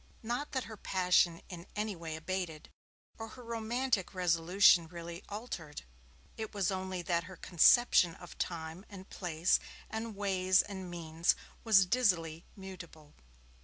Not that her passion in any way abated, or her romantic resolution really altered: it was only that her conception of time and place and ways and means was dizzily mutable.